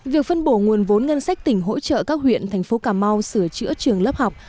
việc phân bổ nguồn vốn ngân sách tỉnh hỗ trợ các huyện thành phố cà mau sửa chữa trường lớp học